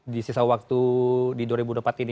di sisa waktu di dua ribu dua puluh empat ini